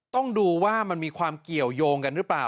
ต้องดูว่ามันมีความเกี่ยวยงกันหรือเปล่า